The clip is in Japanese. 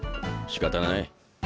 しかたない。